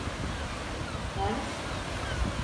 Pens…